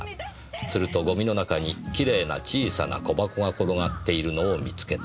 するとゴミの中に奇麗な小さな小箱が転がっているのを見つけた」